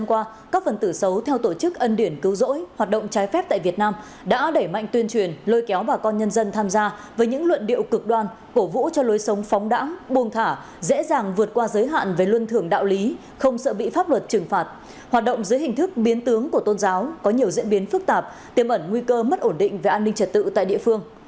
các phần tử xấu theo tổ chức ân điển cứu rỗi hoạt động trái phép tại việt nam đã đẩy mạnh tuyên truyền lôi kéo bà con nhân dân tham gia với những luận điệu cực đoan cổ vũ cho lối sống phóng đẳng buông thả dễ dàng vượt qua giới hạn về luân thường đạo lý không sợ bị pháp luật trừng phạt hoạt động dưới hình thức biến tướng của tôn giáo có nhiều diễn biến phức tạp tiêm ẩn nguy cơ mất ổn định về an ninh trật tự tại địa phương